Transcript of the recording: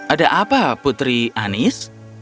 ada apa putri anis